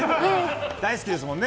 大好きですもんね。